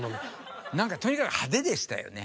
何かとにかく派手でしたよね。